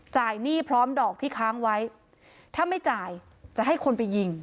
หนี้พร้อมดอกที่ค้างไว้ถ้าไม่จ่ายจะให้คนไปยิง